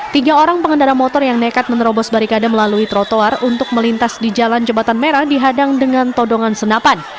tiga orang pengendara motor yang nekat menerobos barikade melalui trotoar untuk melintas di jalan jembatan merah dihadang dengan todongan senapan